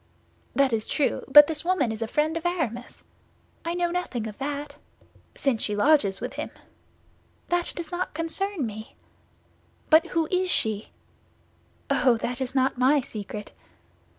"That is true; but this woman is a friend of Aramis—" "I know nothing of that." "—since she lodges with him." "That does not concern me." "But who is she?" "Oh, that is not my secret."